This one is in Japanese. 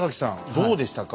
どうでしたか？